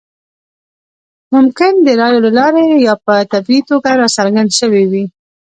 ممکن د رایو له لارې یا په طبیعي توګه راڅرګند شوی وي.